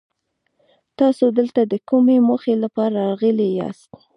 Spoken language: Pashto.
تاسو دلته د کومې موخې لپاره راغلي ياست؟